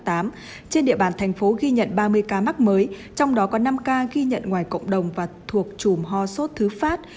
trên địa bàn thành phố ghi nhận ba mươi ca mắc mới trong đó có năm ca ghi nhận ngoài cộng đồng và thuộc chùm ho sốt thứ phát